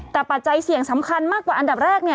แต่ปัจจัยเสี่ยงสำคัญมากกว่าอันดับแรกเนี่ย